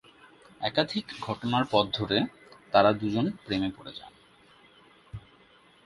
একাধিক ঘটনার পথ ধরে, তারা দুজন প্রেমে পড়ে যান।